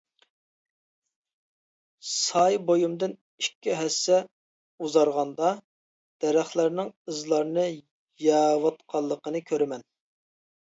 سايە بويۇمدىن ئىككى ھەسسە ئۇزارغاندا، دەرەخلەرنىڭ ئىزلارنى يەۋاتقانلىقىنى كۆرىمەن.